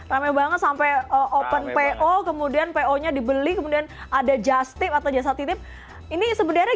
rame banget sampai open po kemudian po nya dibeli kemudian ada just tip atau jasa titip ini sebenarnya